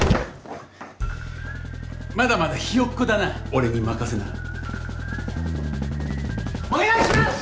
まだまだひよっこだな俺に任せなお願いします！